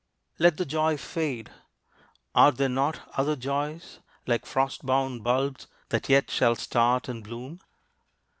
Let the joy fade. Are there not other joys, Like frost bound bulbs, that yet shall start and bloom?